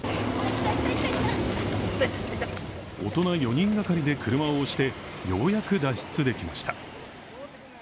大人４人がかりで車を押してようやく脱出できました。